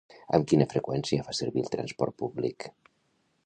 Amb quina freqüència fa servir el transport públic?